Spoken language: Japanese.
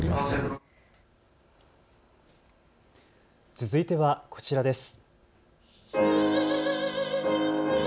続いてはこちらです。